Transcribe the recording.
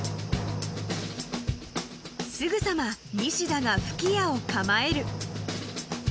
［すぐさまニシダが吹き矢を構える］